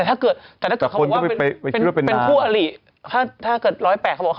ใช่ไหมนั่งไปกับใครอ่ะ